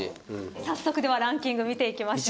早速ではランキング見ていきましょう。